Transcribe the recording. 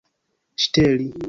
ŝteli